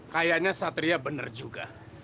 kayaknya satria bener juga